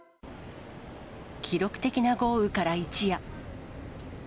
記録的な豪雨から一夜。